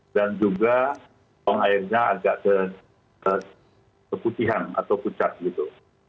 dan juga uang airnya agak keputihan atau pucat gitu